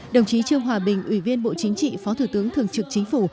đồng chí trương hòa bình ủy viên bộ chính trị phó thủ tướng thường trực chính phủ